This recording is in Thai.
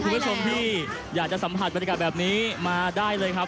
คุณผู้ชมที่อยากจะสัมผัสบรรยากาศแบบนี้มาได้เลยครับ